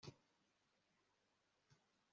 atabonetse cyangwa yagize impamvu itumizwa